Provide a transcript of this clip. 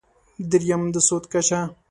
درېیم: د سود کچه.